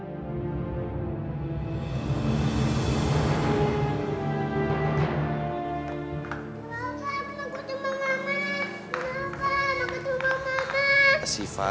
bapak aku mau menunggu mama